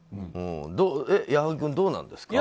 矢作君、どうなんですか？